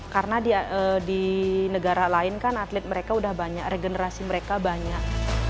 karena di negara lain kan atlet mereka sudah banyak regenerasi mereka banyak